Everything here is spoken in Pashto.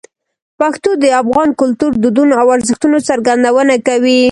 پښتو د افغان کلتور، دودونو او ارزښتونو څرګندونه کوي.